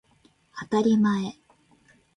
あたりまえ